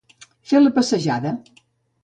Fer la passejada.